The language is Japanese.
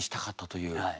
はい。